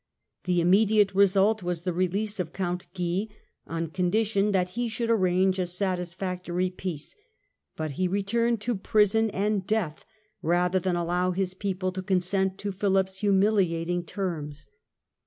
The immediate result was the release of Count Guy, on condition that he should arrange a satisfactory peace ; but he returned to prison and death, rather than allow his people to con sent to Philip's humiliating terms.